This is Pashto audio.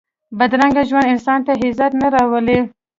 بدرنګه ژوند انسان ته عزت نه راولي